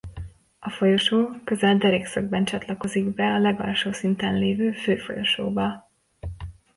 A folyosó közel derékszögben csatlakozik be a legalsó szinten levő Fő-folyosóba.